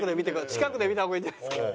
近くで見た方がいいんじゃないですか？